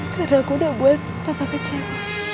karena aku udah buat papa kecewa